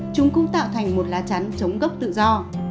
chúng cũng tạo thành một lá chắn chống gốc tự do